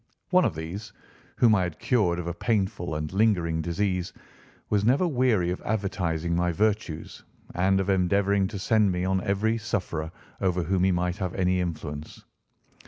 One of these, whom I had cured of a painful and lingering disease, was never weary of advertising my virtues and of endeavouring to send me on every sufferer over whom he might have any influence.